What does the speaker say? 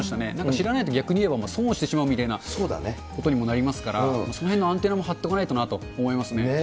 知らないと逆に言えば、損をしてしまうみたいなことにもなりますから、そのへんのアンテナも張っておかないとなと思いますね。